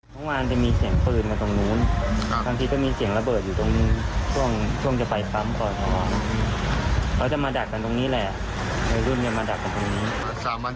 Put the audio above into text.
แต่ทำหน่วยก็ทำงานเต็มที่แหละอืมแต่ว่าเขาไม่อยู่เหมือนกัน